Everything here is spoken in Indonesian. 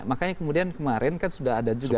makanya kemudian kemarin kan sudah ada juga